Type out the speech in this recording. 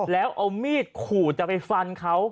แล้วเอามีดขู่จะไปฟันเขา